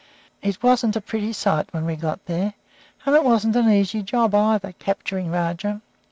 "It wasn't a pretty sight when we got there, and it wasn't an easy job, either, capturing Rajah.